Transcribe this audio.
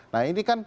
nah ini kan